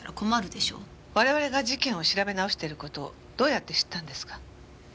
我々が事件を調べ直している事をどうやって知ったんですか？